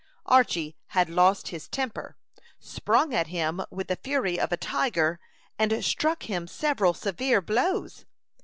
Archy had lost his temper, sprung at him with the fury of a tiger, and struck him several severe blows.